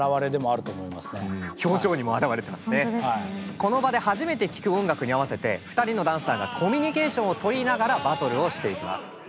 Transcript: この場で初めて聴く音楽に合わせて２人のダンサーがコミュニケーションをとりながらバトルをしていきます。